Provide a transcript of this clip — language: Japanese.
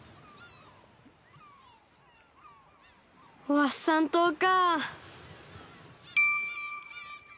ワッサンとうか。